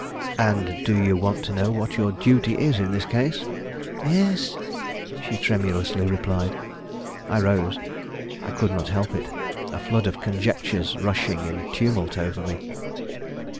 "And do you want to know what your duty is in this case?" "Yes," she tremulously replied. I rose. I could not help it: a flood of conjectures rushing in tumult over me.